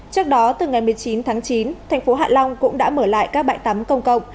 trước đó từ ngày một mươi chín tháng chín thành phố hạ long cũng đã mở lại các bãi tắm công cộng